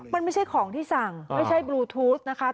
มันไม่ใช่ของที่สั่งไม่ใช่บลูทูสนะคะ